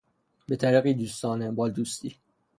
به طریقی دوستانه، بادوستی